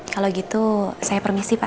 kalau gitu saya permisi pak